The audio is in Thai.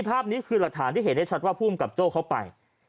ภาพนี้คือหลักฐานที่เห็นได้ชัดว่าภูมิกับโจ้เขาไป